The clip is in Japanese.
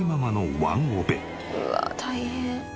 うわあ！大変。